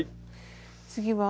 次は？